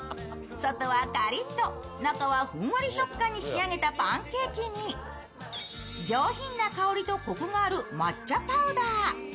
外はカリッと中はふんわり食感に仕上げたパンケーキに上品な香りとこくがある抹茶パウダー。